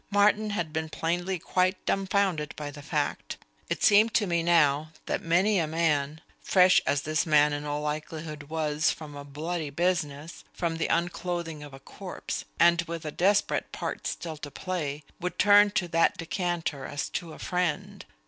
Martin had been plainly quite dumfounded by the fact. It seemed to me now that many a man fresh, as this man in all likelihood was, from a bloody business, from the unclothing of a corpse, and with a desperate part still to play would turn to that decanter as to a friend.